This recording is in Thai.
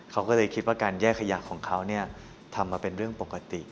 เขาก็เลยคิดว่าการแยกขยะของเขาทำมาเป็นเรื่องปกติ